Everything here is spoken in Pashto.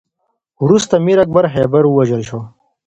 وروسته میر اکبر خیبر ووژل شو.